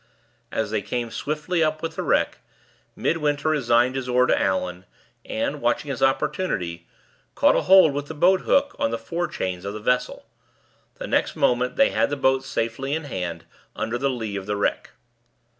As they came swiftly up with the wreck, Midwinter resigned his oar to Allan; and, watching his opportunity, caught a hold with the boat hook on the fore chains of the vessel. The next moment they had the boat safely in hand, under the lee of the wreck.